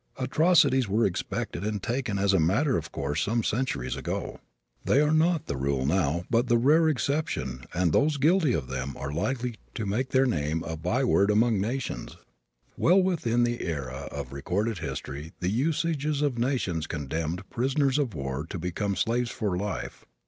Atrocities were expected and taken as a matter of course some centuries ago. They are not the rule now but the rare exception and those guilty of them are likely to make their name a by word among nations. Well within the era of recorded history the usages of nations' condemned prisoners of war to become slaves for life.